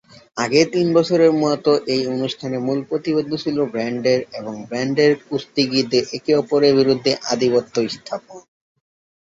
আগের তিন বছরের মতো, এই অনুষ্ঠানের মূল প্রতিপাদ্য ছিল ব্র্যান্ডের এবং ব্র্যান্ডের কুস্তিগীরদের একে অপরের বিরুদ্ধে আধিপত্য স্থাপন।